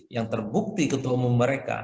yang terbukti ketemu mereka